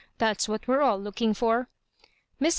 Thafs what we're all looking for." Mr.